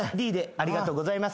ありがとうございます。